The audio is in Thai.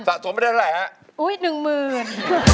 สะสมไม่ได้เท่าไหร่ฮะอุ๊ย๑หมื่น